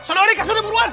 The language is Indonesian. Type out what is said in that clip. salam aley kasurnya buruan